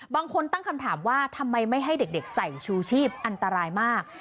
บางคนตั้งคำถามว่าทำไมไม่ให้เด็กใส่ชูชีพอันตรายมาก